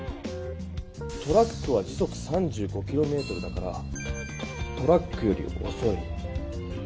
トラックは時速３５キロメートルだからトラックよりおそい。